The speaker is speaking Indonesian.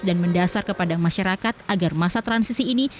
dan mendasar kepada masyarakat agar masa transisi ini